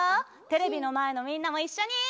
テレビのまえのみんなもいっしょに！